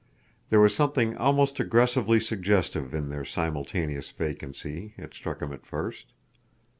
There was something almost aggressively suggestive in their simultaneous vacancy, it struck him at first.